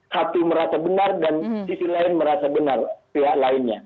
satu merasa benar dan sisi lain merasa benar pihak lainnya